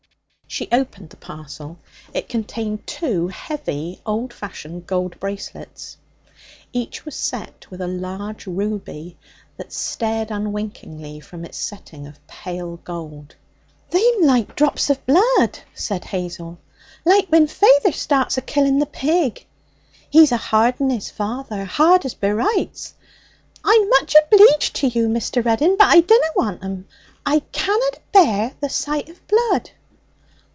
She opened the parcel. It contained two heavy old fashioned gold bracelets. Each was set with a large ruby that stared unwinkingly from its setting of pale gold. 'Eh! they'm like drops of blood!' said Hazel. 'Like when fayther starts a killing the pig. He's a hard un, is fayther, hard as b'rytes. I'm much obleeged to you, Mr. Reddin, but I dunna want 'em. I canna'd abear the sight of blood.'